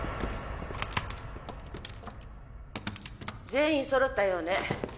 全員揃ったようね